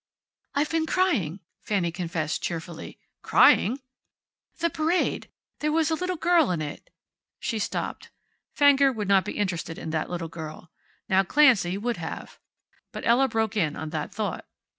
"I've been crying," Fanny confessed cheerfully. "Crying!" "The parade. There was a little girl in it " she stopped. Fenger would not be interested in that little girl. Now Clancy would have but Ella broke in on that thought.